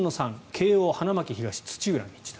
慶応、花巻東、土浦日大。